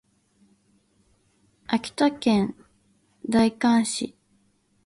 秋田県大館市